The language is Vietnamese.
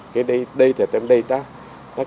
khi đi thì tôi cũng đi